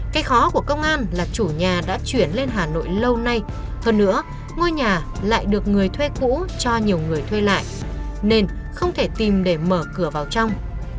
cái khó của công an là chủ nhà đã chuyển lên hà nội lâu nay hơn nữa ngôi nhà lại được người thuê cũ cho nhiều người thuê lại nên không thể tìm để mở cửa vào trong